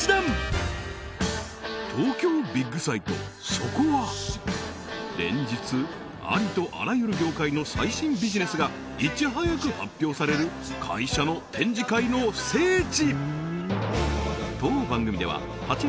そこは連日ありとあらゆる業界の最新ビジネスがいち早く発表される会社の展示会の聖地